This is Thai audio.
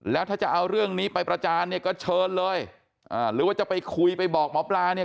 แล้วถ้าจะเอาเรื่องนี้ไปประจานเนี่ยก็เชิญเลยอ่าหรือว่าจะไปคุยไปบอกหมอปลาเนี่ย